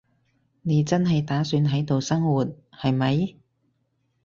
你真係打算喺度生活，係咪？